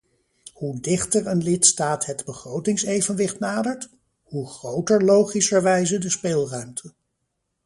Hoe dichter een lidstaat het begrotingsevenwicht nadert, hoe groter logischerwijze de speelruimte.